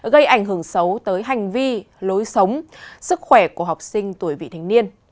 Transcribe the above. gây ảnh hưởng xấu tới hành vi lối sống sức khỏe của học sinh tuổi vị thành niên